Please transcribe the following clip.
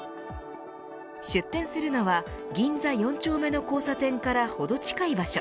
出店するのは銀座４丁目の交差点からほど近い場所。